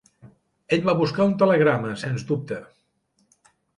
Ell va buscar un telegrama, sens dubte.